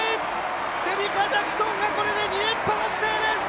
シェリカ・ジャクソンがこれで２連覇達成です！